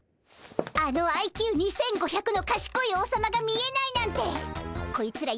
あのＩＱ２，５００のかしこい王様が見えないなんてこいつら